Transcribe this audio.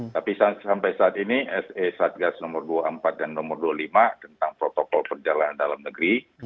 tapi sampai saat ini se satgas nomor dua puluh empat dan nomor dua puluh lima tentang protokol perjalanan dalam negeri